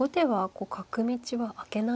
はい。